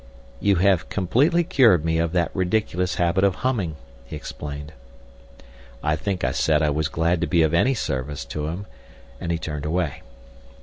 "You have completely cured me of that ridiculous habit of humming," he explained. I think I said I was glad to be of any service to him, and he turned away.